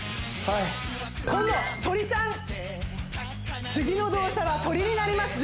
今度鳥さん次の動作は鳥になります